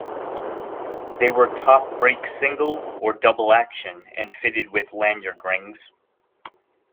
They were top-break single- or double-action, and fitted with lanyard rings.